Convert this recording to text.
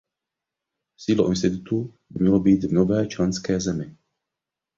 Sídlo institutu by mělo být v nové členské zemi.